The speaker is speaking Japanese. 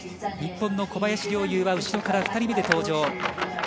日本の小林陵侑は後ろから２人目で登場。